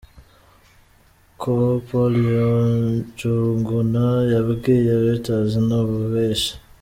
Col Paul Njuguna yabwiye Reuters: "Ni ububeshi.